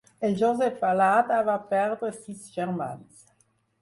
En Josep Alada va perdre sis germans.